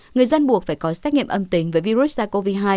người dân buộc phải có xét nghiệm âm tính với virus sars cov hai